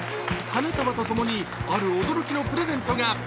花束と共にある驚きのプレゼントが。